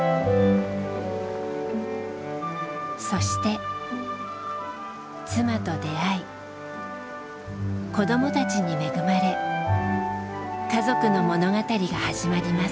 そして妻と出会い子どもたちに恵まれ家族の物語が始まります。